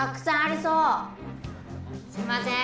すいません！